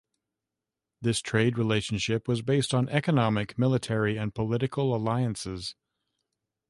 This trade relationship was based on economic, military, and political alliances.